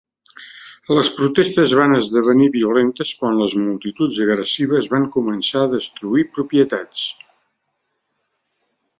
Les protestes van esdevenir violentes quan les multituds agressives van començar destruir propietats.